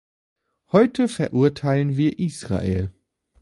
Heute verurteilen wir Israel.